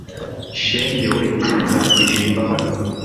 shenge we, nzagirira imbabazi